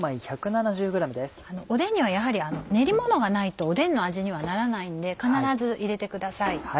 おでんにはやはり練りものがないとおでんの味にはならないので必ず入れてください。